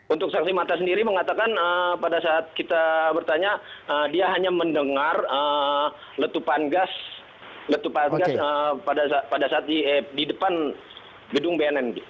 untuk saksi mata sendiri mengatakan pada saat kita bertanya dia hanya mendengar letupan gas pada saat di depan gedung bnn